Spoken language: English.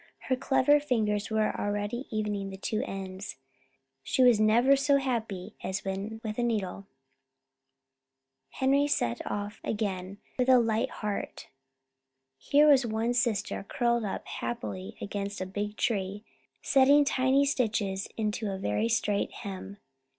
Her clever fingers were already evening the two ends. She was never so happy as when with a needle. Henry set off again with a light heart. Here was one sister curled up happily against a big tree, setting tiny stitches into a very straight hem.